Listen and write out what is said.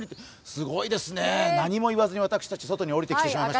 すごいですね、何も言わずに私たち外に下りてきてすみません。